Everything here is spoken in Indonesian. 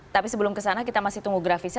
tapi sebelum kesana kita masih tunggu grafisnya